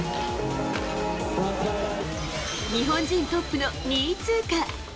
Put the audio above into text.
日本人トップの２位通過。